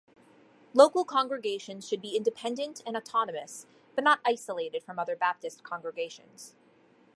Local congregations should be independent and autonomous, but not isolated from other Baptist congregations.